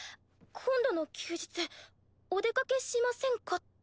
今度の休日お出かけしませんかって。